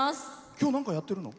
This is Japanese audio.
今日、何かやってるの？